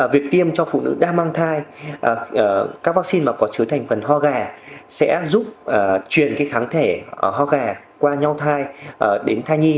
việc tiêm cho phụ nữ đang mang thai các vaccine có chứa thành phần hoa gà sẽ giúp truyền kháng thể hoa gà qua nhau thai đến thai nhi